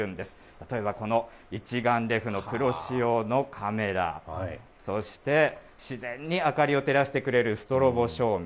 例えばこの一眼レフのプロ仕様のカメラ、そして自然に明かりを照らしてくれるストロボ照明。